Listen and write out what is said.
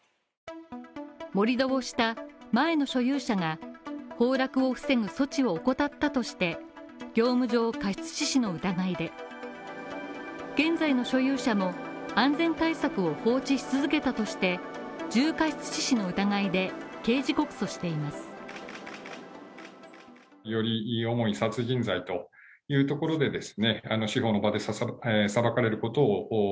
盛り土をした前の所有者が崩落を防ぐ措置を怠ったとして業務上過失致死の疑いで、現在の所有者も、安全対策を放置し続けたとして重過失致死の疑いで刑事告訴しています。